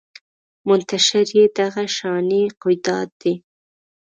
منتشر يې دغه شانې قیادت دی